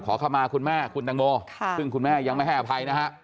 ขอเข้ามาคุณแม่คุณตังโมซึ่งคุณแม่ยังไม่ให้อภัยนะฮะ